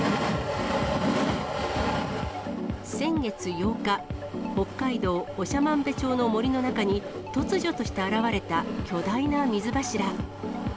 先月８日、北海道長万部町の森の中に、突如として現れた巨大な水柱。